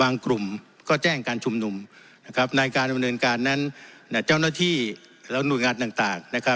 ในการบริเวณการนั้นเจ้าแนที่และหน่วยงานต่าง